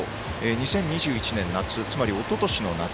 ２０２１年夏つまり、おととしの夏。